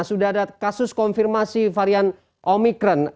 sudah ada kasus konfirmasi varian omikron